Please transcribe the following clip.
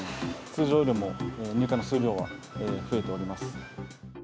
通常よりも入荷の数量は増えております。